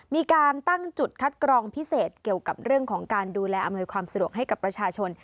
มีการตั้งจุดคัดกรองพิเศษเกี่ยวกับเรื่องของการดูแลอำนวยความสะดวกให้กับประชาชน